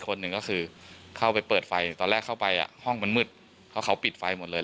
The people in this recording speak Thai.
เข้าไปเปิดไฟตอนแรกเข้าไปห้องมันมืดเพราะเขาปิดไฟหมดเลย